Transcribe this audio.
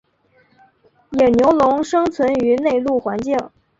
野牛龙生存于内陆环境。